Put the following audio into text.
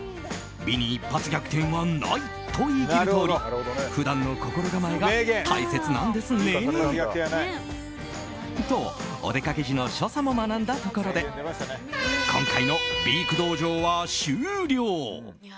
美に一発逆転はないと言い切るとおり普段の心構えが大切なんですね。と、お出かけ時の所作も学んだところで今回の美育道場は終了。